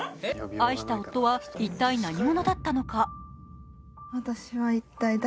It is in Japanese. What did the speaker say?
愛した夫は一体何者だったのか。